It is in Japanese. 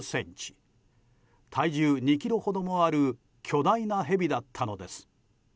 体重２ｋｇほどもある巨大なヘビだったのです。